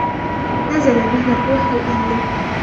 نزل به الروح الأمين